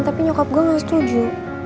tapi nyokap gue gak setuju